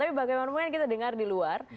tapi bagaimanapun kita dengar di luar